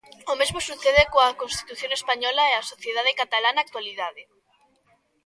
O mesmo sucede coa Constitución española e a sociedade catalá na actualidade.